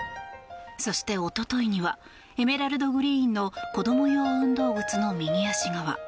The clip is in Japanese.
そして一昨日にはエメラルドグリーンの子供用運動靴の右足側。